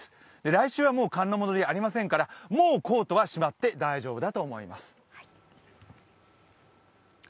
来週はもう寒の戻りありませんから、もうコートはしまって大丈夫だと思います。